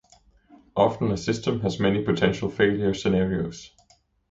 Often a system has many potential failure scenarios.